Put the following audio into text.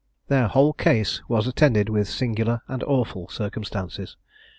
Their whole case was attended with singular and awful circumstances.